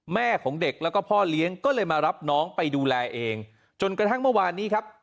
แม่ของเด็กแล้วก็พ่อเลี้ยงก็เลยมารับน้องไปดูแลเองจนกระทั่งเมื่อวานนี้ครับ